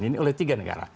ini oleh tiga negara